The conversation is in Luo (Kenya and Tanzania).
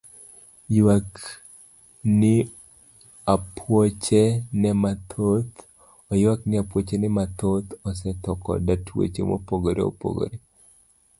Oywak ni apuoche ne mathoth osetho koda tuoche mopogore opogore.